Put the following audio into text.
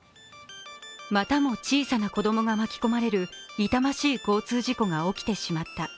またも小さな子供が巻き込まれる痛ましい交通事故が起きた。